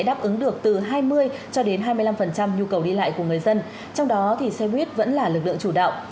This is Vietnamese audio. hà nội mở thêm hai mươi năm nhu cầu đi lại của người dân trong đó thì xe buýt vẫn là lực lượng chủ đạo